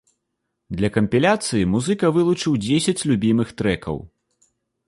Для кампіляцыі музыка вылучыў дзесяць любімых трэкаў.